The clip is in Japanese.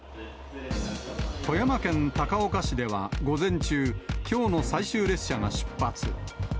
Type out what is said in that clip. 富山県高岡市では午前中、きょうの最終列車が出発。